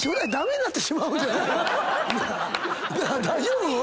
大丈夫？